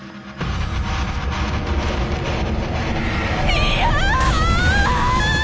いや！